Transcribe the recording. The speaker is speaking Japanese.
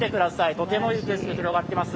とてもいい景色、広がってます。